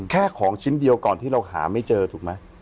แค่ของชิ้นเดียวก่อนที่เราหาไม่เจอถูกไหม